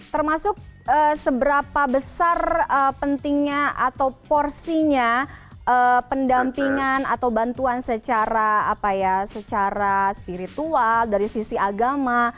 termasuk seberapa besar pentingnya atau porsinya pendampingan atau bantuan secara spiritual dari sisi agama